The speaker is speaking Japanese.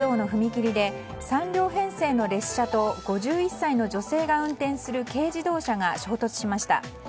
午前９時半前、埼玉県熊谷市の秩父鉄道の踏切で３両編成の列車と５１歳の女性が運転する軽自動車が衝突しました。